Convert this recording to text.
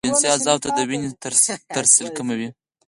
او جنسي عضو ته د وينې ترسيل کموي